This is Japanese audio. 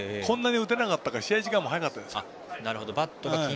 打てなかったから試合時間も短かったです。